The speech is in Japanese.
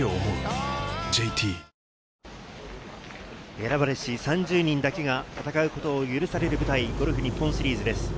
選ばれし３０人だけが戦うことを許される舞台、ゴルフ日本シリーズです。